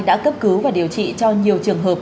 đã cấp cứu và điều trị cho nhiều trường hợp